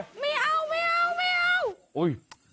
ไม่เอา